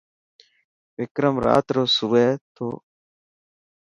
وڪرم رات رو سوي ٿو.